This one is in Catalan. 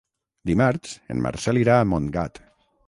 Dimarts en Marcel irà a Montgat.